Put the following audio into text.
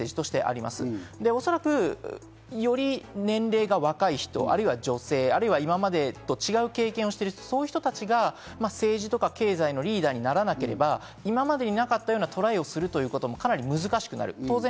より年齢が若い人、女性あるいは今までと違う経験をしてる人が、政治とか経済のリーダーにならなければ今までになかったようなトライをするっていうことは難しくなる。